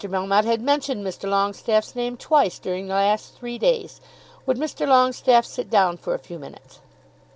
Melmotte had mentioned Mr. Longestaffe's name twice during the last three days. Would Mr. Longestaffe sit down for a few minutes?